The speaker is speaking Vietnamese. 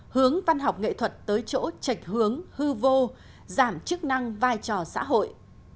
hướng văn học nghệ thuật tới chỗ chạch hướng hư vô giảm chức năng vai trò xã hội